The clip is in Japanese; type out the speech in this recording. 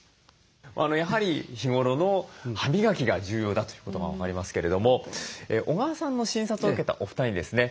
やはり日頃の歯磨きが重要だということが分かりますけれども小川さんの診察を受けたお二人にですね